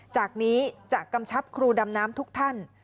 จากนี้จะกำชับครูดำน้ำทุกท่าน